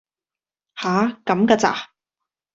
吓！咁嫁咋!